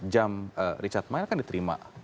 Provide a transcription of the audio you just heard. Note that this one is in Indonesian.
jam richard mile kan diterima